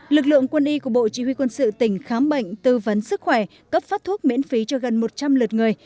lực lượng quân y của bộ chỉ huy quân sự tỉnh khám bệnh tư vấn sức khỏe cấp phát thuốc miễn phí cho gần một trăm linh lượt người